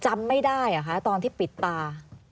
ไม่ได้อะคะตอนที่ปิดตา